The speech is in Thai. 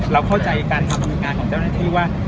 เราเข้าใจการทำงานของเจ้าหน้าที่ว่า